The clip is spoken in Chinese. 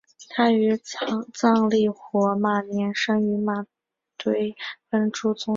他于藏历火马年生于卫堆奔珠宗地方。